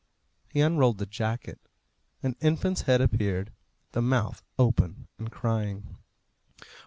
He unrolled the jacket. An infant's head appeared, the mouth open and crying.